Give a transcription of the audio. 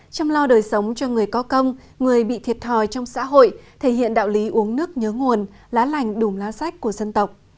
chăm lo đời sống cho người có công người bị thiệt thòi trong xã hội thể hiện đạo lý uống nước nhớ nguồn lá lành đùm lá sách của dân tộc